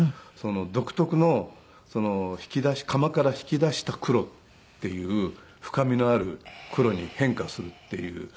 独特の引き出し窯から引き出した黒っていう深みのある黒に変化するっていう。